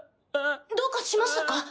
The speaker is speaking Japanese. どうかしましたか？